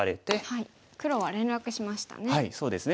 黒は連絡しましたね。